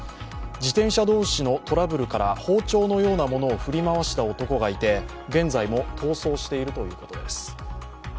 自転車同士のトラブルから包丁のようなものを振り回した男がいて、現在も逃走しているということです。